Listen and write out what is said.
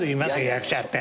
役者だって。